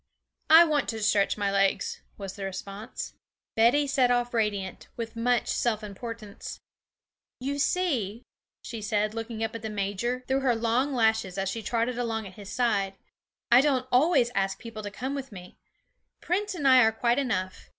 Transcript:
'I want to stretch my legs,' was the response. Betty set off radiant, with much self importance. 'You see,' she said, looking up at the major through her long lashes as she trotted along at his side, 'I don't always ask people to come with me; Prince and I are quite enough.